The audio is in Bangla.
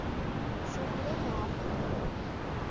সবুরে মেওয়া ফলে।